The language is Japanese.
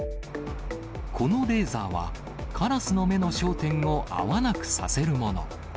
このレーザーは、カラスの目の焦点を合わなくさせるもの。